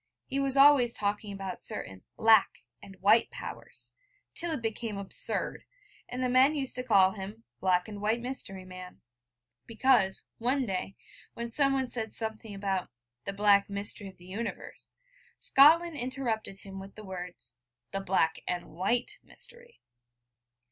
He was always talking about certain 'Black' and 'White Powers, till it became absurd, and the men used to call him 'black and white mystery man,' because, one day, when someone said something about 'the black mystery of the universe,' Scotland interrupted him with the words: 'the black and white mystery.'